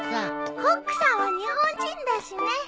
コックさんは日本人だしね。